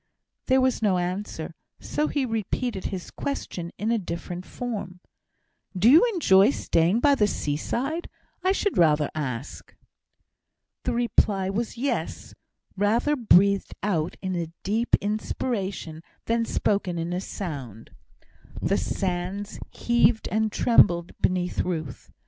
There was no answer, so he repeated his question in a different form. "Do you enjoy staying by the seaside? I should rather ask." The reply was "Yes," rather breathed out in a deep inspiration than spoken in a sound. The sands heaved and trembled beneath Ruth.